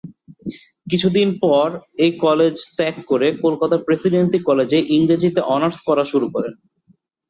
কিছুদিন পর এই কলেজ ত্যাগ করে কলকাতার প্রেসিডেন্সী কলেজে ইংরেজি অনার্স পড়া শুরু করেন।